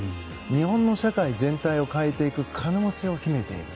日本の社会全体を変えていく可能性を秘めている。